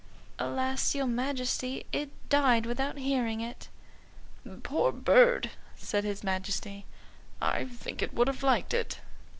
"Alas, your Majesty, it died without hearing it." "Poor bird!" said his Majesty; "I think it would have liked it."